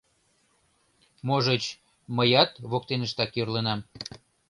Можыч, мыят воктеныштак йӧрлынам.